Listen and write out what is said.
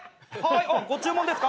ご注文ですか？